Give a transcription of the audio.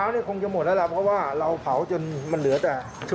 โล่งจนน้ำตาไหลจนเลย